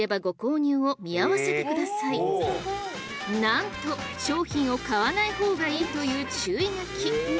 なんと商品を買わない方がいいという注意書き。